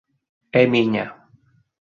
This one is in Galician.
É miña».